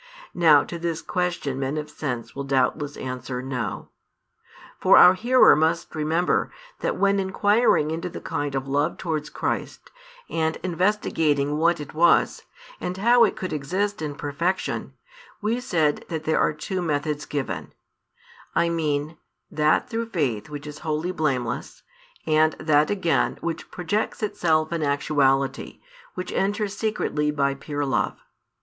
Now to this question men of sense will doubtless answer "No." For our hearer must remember, that when inquiring into the kind of love towards Christ, and investigating what it was, and how it could exist in perfection, we said that there are two methods given; I mean that through faith which is wholly blameless, and that again which projects itself in actuality, which enters secretly by pure love.